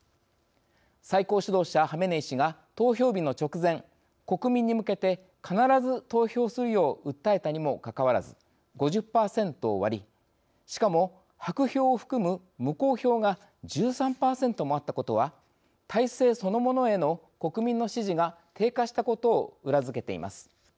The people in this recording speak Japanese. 最高指導者ハメネイ師が投票日の直前、国民に向けて必ず投票するよう訴えたにもかかわらず５０％を割りしかも白票を含む無効票が１３％もあったことは体制そのものへの国民の支持が低下したことを裏付けています。